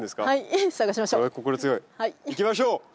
はい探しましょう。